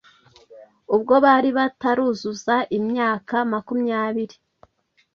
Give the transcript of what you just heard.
ubwo bari bataruzuza imyaka makumyabiri